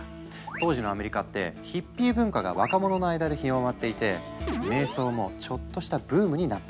当時のアメリカってヒッピー文化が若者の間で広まっていて瞑想もちょっとしたブームになっていたんだ。